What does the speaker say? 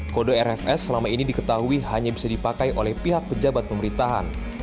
kode rfs selama ini diketahui hanya bisa dipakai oleh pihak pejabat pemerintahan